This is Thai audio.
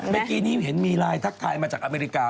เมื่อกี้นี้เห็นมีไลน์ทักทายมาจากอเมริกา